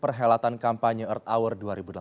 perhelatan kampanye earth hour dua ribu delapan belas